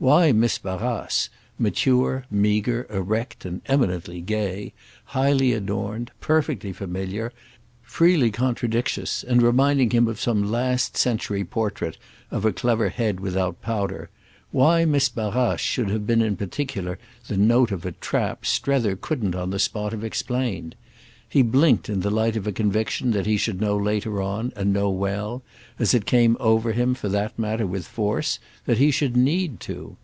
Why Miss Barrace, mature meagre erect and eminently gay, highly adorned, perfectly familiar, freely contradictious and reminding him of some last century portrait of a clever head without powder—why Miss Barrace should have been in particular the note of a "trap" Strether couldn't on the spot have explained; he blinked in the light of a conviction that he should know later on, and know well—as it came over him, for that matter, with force, that he should need to.